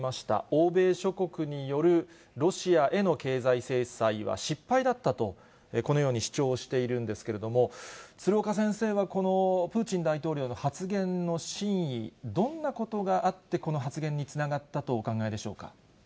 欧米諸国によるロシアへの経済制裁は失敗だったと、このように主張しているんですけれども、鶴岡先生はこのプーチン大統領の発言の真意、どんなことがあって、この発言につながったとお考えでしょうか。